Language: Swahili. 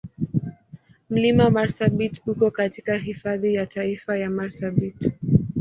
Mlima Marsabit uko katika Hifadhi ya Taifa ya Marsabit.